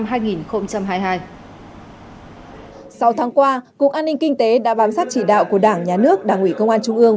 sau tháng qua cục an ninh kinh tế đã bám sát chỉ đạo của đảng nhà nước đảng ủy công an trung ương